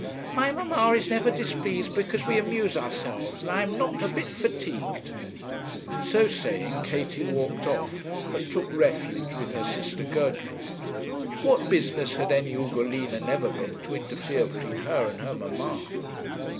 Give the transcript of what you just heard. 'My mamma is never displeased because we amuse ourselves, and I am not a bit fatigued;' and so saying Katie walked off, and took refuge with her sister Gertrude. What business had any Ugolina Neverbend to interfere between her and her mamma?